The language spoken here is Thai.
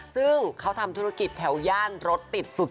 ซึ่งเขาทำธุรกิจแถวย่านรถติดสุด